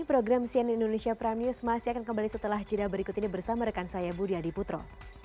program cnn indonesia prime news masih akan kembali setelah jeda berikut ini bersama rekan saya budi adiputro